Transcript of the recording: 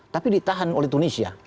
tapi ditahan oleh tunisia